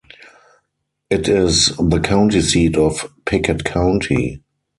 It is the county seat of Pickett County.